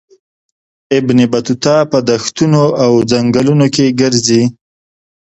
ابن بطوطه په دښتونو او ځنګلونو کې ګرځي.